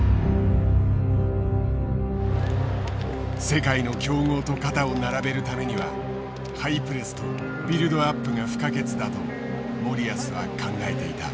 世界の強豪と肩を並べるためにはハイプレスとビルドアップが不可欠だと森保は考えていた。